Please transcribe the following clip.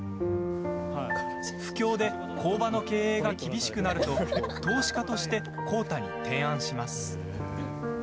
不況で工場の経営が厳しくなると投資家として浩太に提案します。